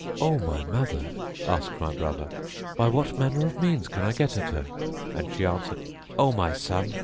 "O my mother," asked my brother, "by what manner of means can I get at her?"; and she answered, "O my son!